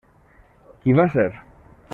Qui va ser?